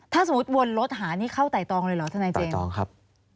ถ้าสมมติวนรถหานี่เข้าไตรทองเลยเหรอท่านนายเจ๊ไตรทองครับ